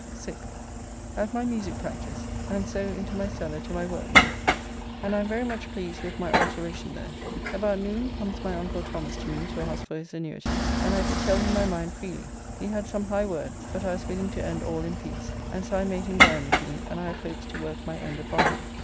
6th. At my musique practice, and so into my cellar to my workmen, and I am very much pleased with my alteracon there. About noon comes my uncle Thomas to me to ask for his annuity, and I did tell him my mind freely. We had some high words, but I was willing to end all in peace, and so I made him' dine with me, and I have hopes to work my end upon him.